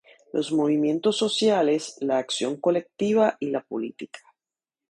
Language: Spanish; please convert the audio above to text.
Los movimientos sociales, la acción colectiva y la política".